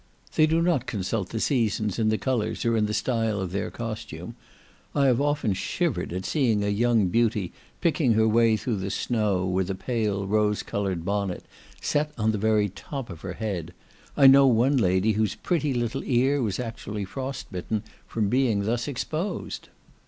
They do not consult the seasons in the colours or in the style of their costume; I have often shivered at seeing a young beauty picking her way through the snow with a pale rose coloured bonnet, set on the very top of her head: I knew one young lady whose pretty little ear was actually frostbitten from being thus exposed.